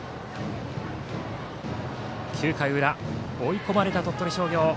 ９回裏、追い込まれた鳥取商業。